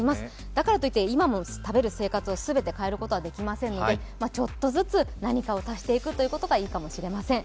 だからといって今の食べる生活を全て変えることはできませんのでちょっとずつ何かを足していくということがいいかもしれません。